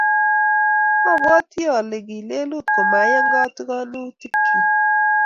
obwoti ale ki lelut komaiyan katikonutikchich